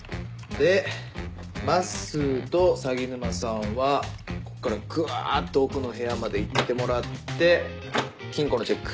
でまっすと鷺沼さんはここからグワっと奥の部屋まで行ってもらって金庫のチェック